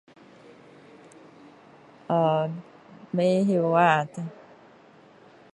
呃不知道呀